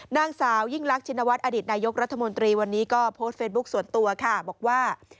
นางสาวยิ่งรักชินวัฒนอดีตนายกรัฐมนตรีวันนี้ก็โพสต์เฟซบุ๊คส่วนตัวค่ะบอกว่า